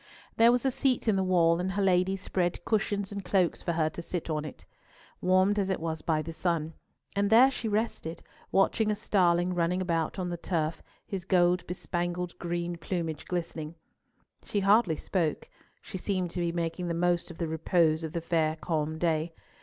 There was a seat in the wall, and her ladies spread cushions and cloaks for her to sit on it, warmed as it was by the sun; and there she rested, watching a starling running about on the turf, his gold bespangled green plumage glistening. She hardly spoke; she seemed to be making the most of the repose of the fair calm day.